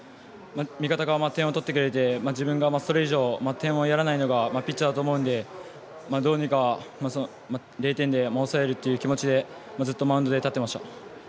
味方が点を取ってくれて自分がそれ以上点をやらないのがピッチャーだと思うのでどうにか０点で抑えるという気持ちでずっとマウンドに立っていました。